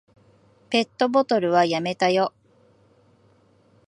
ペットボトルはやめたよ。